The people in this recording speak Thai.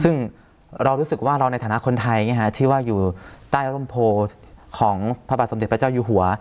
ซึ่งเรารู้สึกว่าเราในฐานะคนไทยที่ว่าอยู่ใต้ร่มโพของพระบาทสมเด็จพระเจ้าอยู่หัว